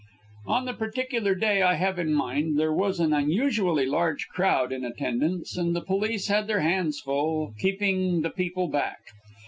On the particular day I have in mind there was an unusually large crowd in attendance, and the police had their hands full keeping the people back.